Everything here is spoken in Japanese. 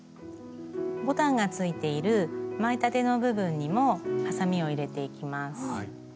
ボタンがついている前立ての部分にもはさみを入れていきます。